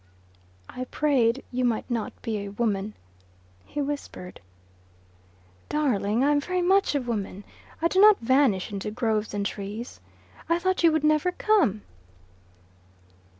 "I prayed you might not be a woman," he whispered. "Darling, I am very much a woman. I do not vanish into groves and trees. I thought you would never come."